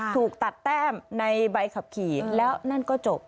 ถูกตัดแต้มในใบขับขี่แล้วนั่นก็จบ